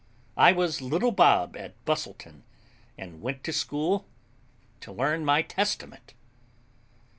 I was little Bob at Bussleton, and went to school to learn my Testament.